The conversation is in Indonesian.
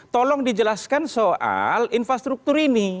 tolong dijelaskan soal infrastruktur ini